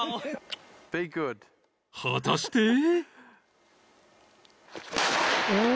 ［果たして］